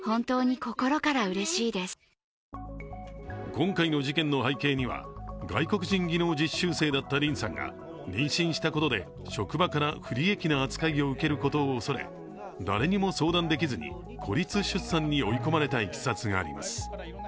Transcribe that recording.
今回の事件の背景には、外国人技能実習生だったリンさんが妊娠したことで職場から不利益な扱いを受けることをおそれ誰にも相談できずに孤立出産に追い込まれたいきさつがあります。